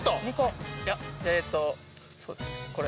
いやえーっとそうですねこれ。